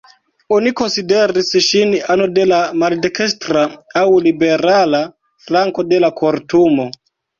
Oni konsideris ŝin ano de la "maldekstra" aŭ "liberala" flanko de la Kortumo.